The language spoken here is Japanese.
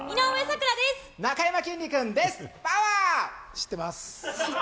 知ってます。